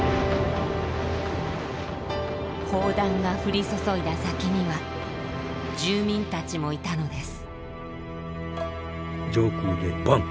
砲弾が降り注いだ先には住民たちもいたのです。